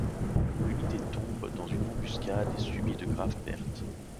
L’unité tombe dans une embuscade et subit de graves pertes.